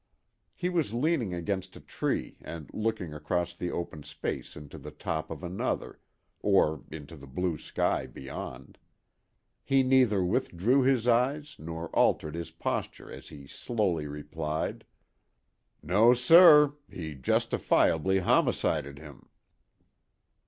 He was leaning against a tree and looking across the open space into the top of another, or into the blue sky beyond. He neither withdrew his eyes, nor altered his posture as he slowly replied: "No, sir; he justifiably homicided him."